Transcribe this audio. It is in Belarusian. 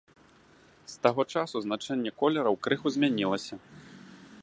З таго часу значэнне колераў крыху змянілася.